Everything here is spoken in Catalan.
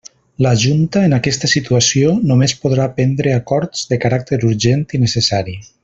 La Junta, en aquesta situació, només podrà prendre acords de caràcter urgent i necessari.